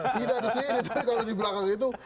tidak disini tapi kalau di belakang itu